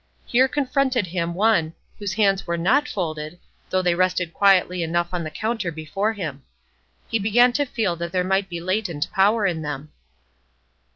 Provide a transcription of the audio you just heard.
Here confronted him one, whose hands were not folded, though they rested quietly enough on the counter before him. He began to feel that there might be latent power in them.